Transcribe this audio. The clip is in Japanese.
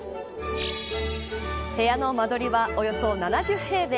部屋の間取りはおよそ７０平米。